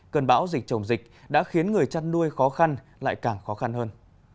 cơn bão dịch chồng dịch đã khiến người chăn nuôi khó khăn lại càng khó khăn hơn